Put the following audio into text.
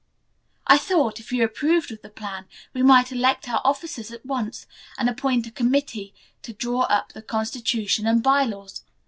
"I thought, if you approved of the plan, we might elect our officers at once, and appoint a committee to draw up the constitution and by laws.